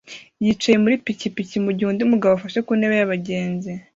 yicaye muri pikipiki mugihe undi mugabo afashe kuntebe yabagenzi